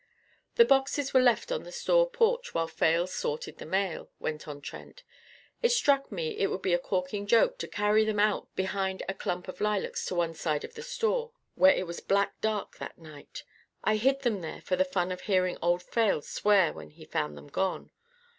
"The boxes were left on the store porch while Fales sorted the mail," went on Trent. "It struck me it would be a corking joke to carry them out behind a clump of lilacs to one side of the store, where it was black dark that night. I hid them there for the fun of hearing old Fales swear when he found them gone.